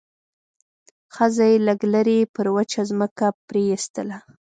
ښځه يې لږ لرې پر وچه ځمکه پرېيستله.